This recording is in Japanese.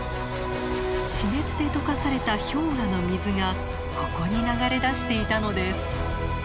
地熱でとかされた氷河の水がここに流れ出していたのです。